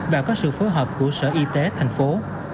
và có sự phối hợp của sở y tế thành phố